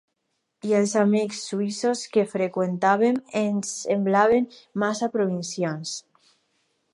I els amics suïssos que freqüentaven, els semblaven massa provincians.